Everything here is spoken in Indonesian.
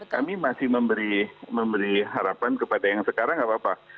kami masih memberi harapan kepada yang sekarang tidak apa apa